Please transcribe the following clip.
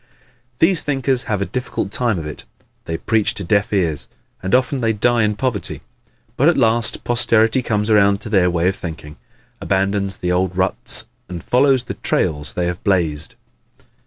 These thinkers have a difficult time of it. They preach to deaf ears. And often they die in poverty. But at last posterity comes around to their way of thinking, abandons the old ruts and follows the trails they have blazed.